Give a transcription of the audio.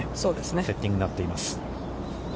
セッティングになっています。